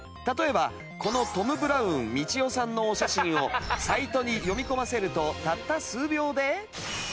例えばこのトム・ブラウンみちおさんのお写真をサイトに読み込ませるとたった数秒で。